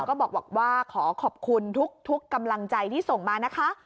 ก็บอกว่าขอขอบคุณทุกกำลังใจที่ส่งมานะคะ